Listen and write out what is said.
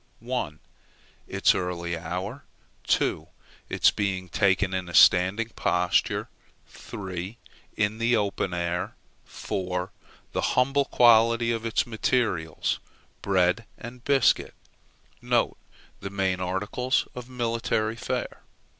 1, its early hour 2, its being taken in a standing posture 3, in the open air 4, the humble quality of its materials bread and biscuit, (the main articles of military fare.)